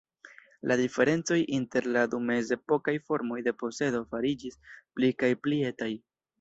La diferencoj inter la du mezepokaj formoj de posedo fariĝis pli kaj pli etaj.